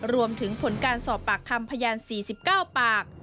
รวมถึงผลการสอบปากคำพยาน๔๙ปาก